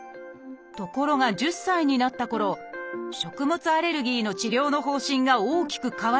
ところが１０歳になったころ食物アレルギーの治療の方針が大きく変わりました。